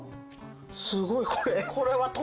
すごいこれ。